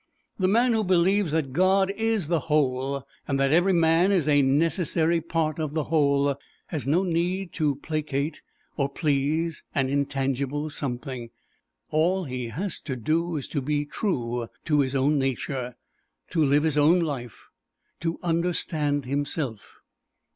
The man who believes that God is the Whole, and that every man is a necessary part of the Whole, has no need to placate or please an intangible Something. All he has to do is to be true to his own nature, to live his own life, to understand himself.